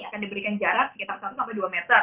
akan diberikan jarak sekitar satu sampai dua meter